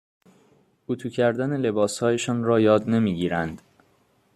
اتو کردن لباسهایشان را یاد نمی گیرند،